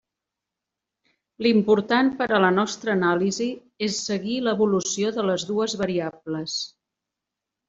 L'important per a la nostra anàlisi és seguir l'evolució de les dues variables.